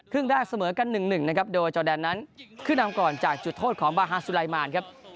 แรกเสมอกัน๑๑นะครับโดยจอแดนนั้นขึ้นนำก่อนจากจุดโทษของบาฮาซูไลมานครับ